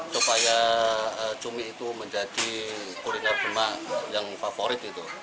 supaya cumi itu menjadi kuliner demak yang favorit